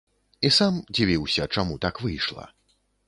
І сам дзівіўся, чаму так выйшла.